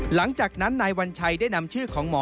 หลังจากนั้นนายวัญชัยได้นำชื่อของหมอ